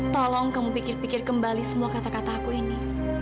tolong kamu pikir pikir kembali semua kata kata aku ini